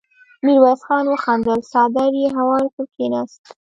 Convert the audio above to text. ميرويس خان وخندل، څادر يې هوار کړ، کېناست.